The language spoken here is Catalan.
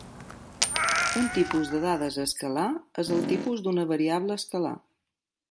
Un tipus de dades escalar és el tipus d'una variable escalar.